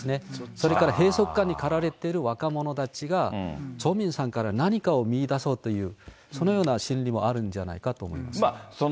それから閉塞感に駆られてる若者たちが、チョ・ミンさんから何かを見いだそうという、そのような心理もあるんじゃないかと思います。